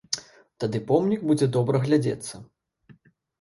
Тады помнік будзе добра глядзецца.